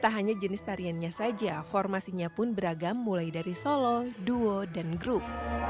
tak hanya jenis tariannya saja formasinya pun beragam mulai dari solo duo dan grup